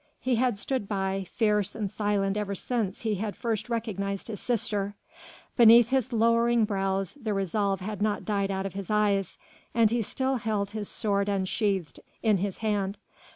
He had stood by, fierce and silent ever since he had first recognized his sister; beneath his lowering brows the resolve had not died out of his eyes, and he still held his sword unsheathed in his hand.